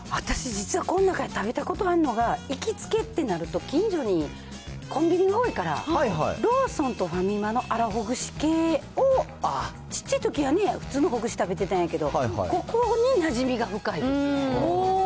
私、実は、この中に食べたことあるのが、行きつけってなると、近所にコンビニが多いから、ローソンとファミマのあらほぐし系を、ちっちゃいときは、普通のほぐし食べてたんやけど、おー。